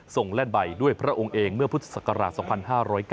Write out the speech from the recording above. แล่นใบด้วยพระองค์เองเมื่อพุทธศักราช๒๕๐๙